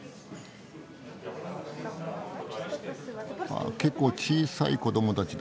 ああ結構小さい子どもたちだ。